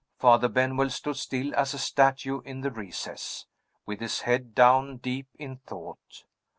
Father Benwell stood still as a statue in the recess, with his head down, deep in thought.